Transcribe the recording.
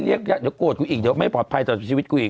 เรียกเดี๋ยวโกรธกูอีกเดี๋ยวไม่ปลอดภัยต่อชีวิตกูอีก